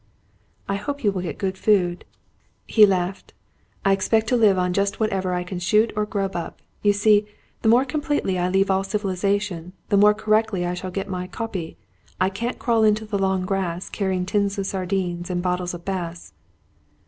"I hope you will get good food." He laughed. "I expect to have to live on just whatever I can shoot or grub up. You see, the more completely I leave all civilisation, the more correctly I shall get my 'copy.' I can't crawl into the long grass, carrying tins of sardines and bottles of Bass!"